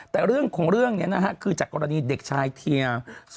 แต่ของเรื่องนี้คือจากกรณีเด็กชายเทีย